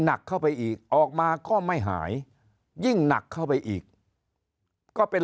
หนักเข้าไปอีกออกมาก็ไม่หายยิ่งหนักเข้าไปอีกก็เป็น